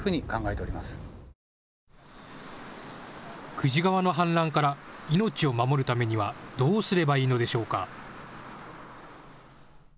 久慈川の氾濫から命を守るためにはどうすればいいのでしょうか。